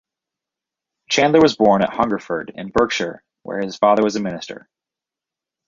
Chandler was born at Hungerford in Berkshire, where his father was a minister.